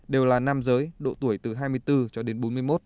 đều là nam giới độ tuổi từ hai mươi bốn cho đến bốn mươi một